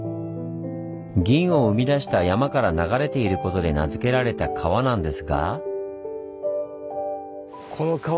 銀を生み出した山から流れていることで名付けられた川なんですが。